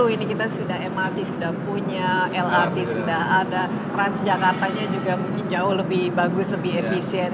ini kita sudah mrt sudah punya lrt sudah ada transjakartanya juga mungkin jauh lebih bagus lebih efisien